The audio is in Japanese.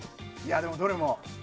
でも、どれも。